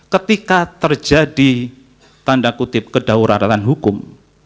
ketika terjadi tanda kutip kedaulatan hukum